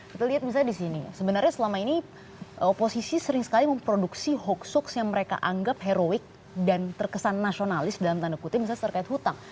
kita lihat misalnya di sini sebenarnya selama ini oposisi sering sekali memproduksi hoax hoax yang mereka anggap heroik dan terkesan nasionalis dalam tanda kutip misalnya terkait hutang